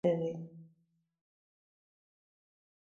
He is a past director of Coast Capital Savings.